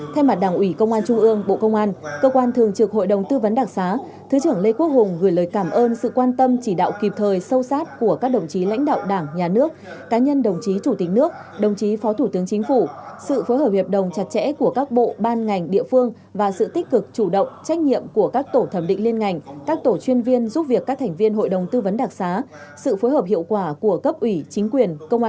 theo mặt đảng ủy công an trung ương bộ công an cơ quan thường trực hội đồng tư vấn đặc sá thứ trưởng lê quốc hùng gửi lời cảm ơn sự quan tâm chỉ đạo kịp thời sâu sát của các đồng chí lãnh đạo đảng nhà nước cá nhân đồng chí chủ tịch nước đồng chí phó thủ tướng chính phủ sự phối hợp hiệp đồng chặt chẽ của các bộ ban ngành địa phương và sự tích cực chủ động trách nhiệm của các tổ thẩm định liên ngành các tổ chuyên viên giúp việc các thành viên hội đồng tư vấn đặc sá sự phối hợp hiệu quả của cấp ủy